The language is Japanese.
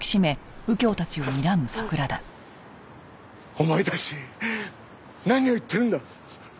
お前たち何を言ってるんだ！